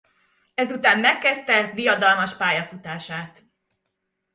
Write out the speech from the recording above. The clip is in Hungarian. Ezután megkezdte diadalmas pályafutását.